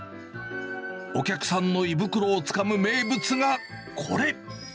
お客さんの胃袋をつかむ名物がこれ。